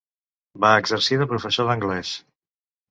Va exercir de professor d'anglès.